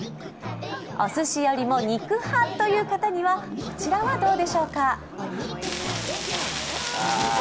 おすしよりも肉派という方にはこちらはどうでしょうか？